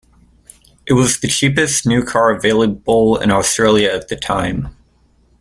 It was the cheapest new car available in Australia at the time.